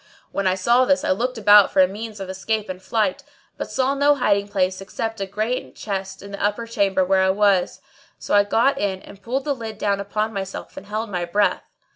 When I saw this I looked about for a means of escape and flight, but saw no hiding place except a great chest in the upper chamber where I was. So I got into it and pulled the lid down upon myself and held my breath.